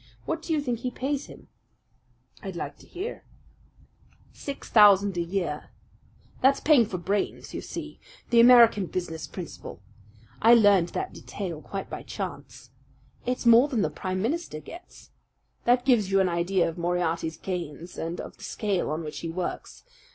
What do you think he pays him?" "I'd like to hear." "Six thousand a year. That's paying for brains, you see the American business principle. I learned that detail quite by chance. It's more than the Prime Minister gets. That gives you an idea of Moriarty's gains and of the scale on which he works.